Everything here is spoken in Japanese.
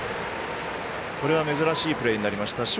これは珍しいプレーになりました。